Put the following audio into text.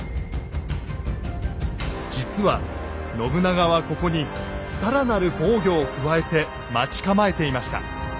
実は信長はここにさらなる防御を加えて待ち構えていました。